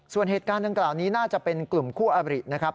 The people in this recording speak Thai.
ส่วนเหตุการณ์ดังกล่าวนี้น่าจะเป็นกลุ่มคู่อบรินะครับ